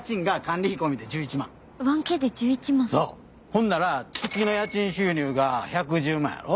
ほんなら月の家賃収入が１１０万やろ。